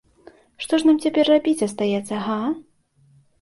Што ж нам цяпер рабіць астаецца, га?